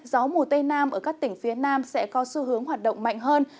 gió mùa tây nam ở các tỉnh phía nam sẽ có xu hướng hoạt động mạnh hơn